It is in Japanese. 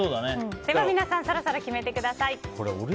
では皆さんそろそろ決めてください。